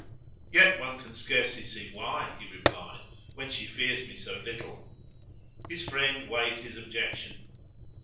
"Yet one can scarcely see why," he replied, "when she fears me so little." His friend weighed his objection.